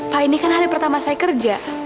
pak ini kan hari pertama saya kerja